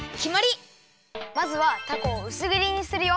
まずはたこをうすぎりにするよ。